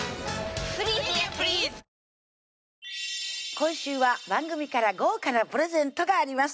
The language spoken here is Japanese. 今週は番組から豪華なプレゼントがあります